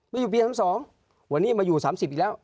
อยู่ปี๓๒วันนี้มาอยู่๓๐อีกแล้ว